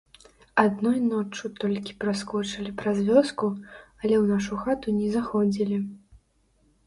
Адной ноччу толькі праскочылі праз вёску, але ў нашу хату не заходзілі.